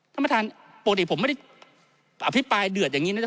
ท่านประธานปกติผมไม่ได้อภิปรายเดือดอย่างนี้นะจ